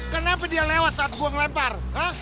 kenapa dia lewat saat gua ngelepar